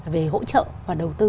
về hỗ trợ và đầu tư